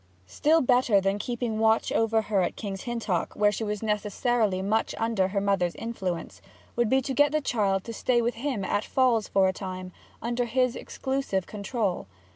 Still better than keeping watch over her at King's Hintock, where she was necessarily much under her mother's influence, would it be to get the child to stay with him at Falls for a time, under his exclusive control.